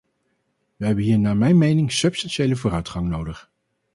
We hebben hier naar mijn mening substantiële vooruitgang nodig.